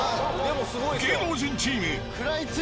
芸能人チーム。